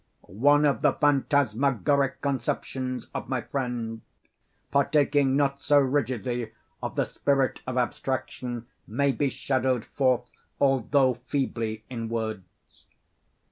One of the phantasmagoric conceptions of my friend, partaking not so rigidly of the spirit of abstraction, may be shadowed forth, although feebly, in words.